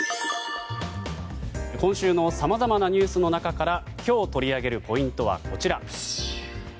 今週のさまざまなニュースの中から今日取り上げるポイントはこちら。